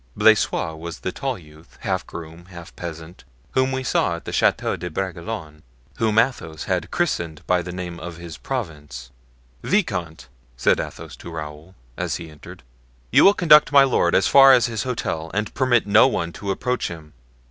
Blaisois was the tall youth, half groom, half peasant, whom we saw at the Chateau de Bragelonne, whom Athos had christened by the name of his province. "Viscount," said Athos to Raoul, as he entered, "you will conduct my lord as far as his hotel and permit no one to approach him."